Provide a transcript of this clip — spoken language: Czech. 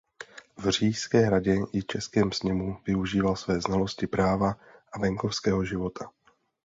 V říšské radě i českém sněmu využíval své znalosti práva a venkovského života.